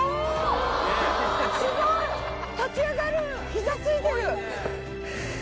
膝ついてる！